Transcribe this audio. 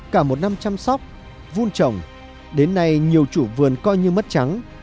cả một năm chăm sóc vun trồng đến nay nhiều chủ vườn coi như mất trắng